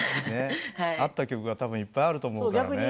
合った曲が多分いっぱいあると思うから。